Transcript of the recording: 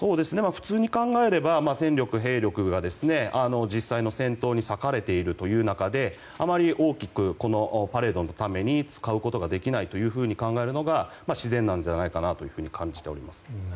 普通に考えれば戦力、兵力が実際の戦闘に割かれている中であまり、大きくパレードのために使うことができないと考えるのが自然だと感じております。